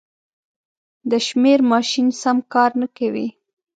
د شمېر ماشین سم کار نه کوي.